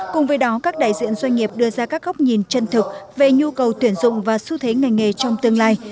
cùng với đó các đại diện doanh nghiệp đưa ra các góc nhìn chân thực về nhu cầu tuyển dụng và xu thế ngành nghề trong tương lai